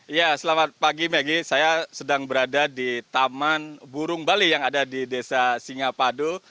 ya selamat pagi maggie saya sedang berada di taman burung bali yang ada di desa singapadu